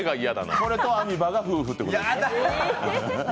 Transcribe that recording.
これとアミバが夫婦ってことですね。